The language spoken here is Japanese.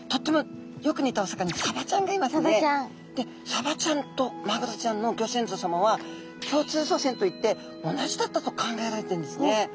サバちゃんとマグロちゃんのギョ先祖さまは共通祖先といって同じだったと考えられてるんですね。